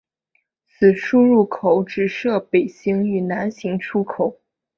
此出入口只设北行入口与南行出口。